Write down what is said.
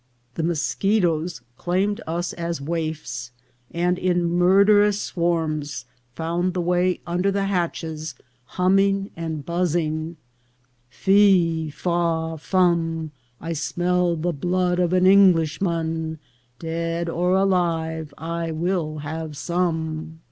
The moschetoes claimed us as waifs, and in murderous swarms found the way under the hatches, humming and buzzing " Fee, faw, fum, I smell the blood of an English man, Dead or alive I will have some."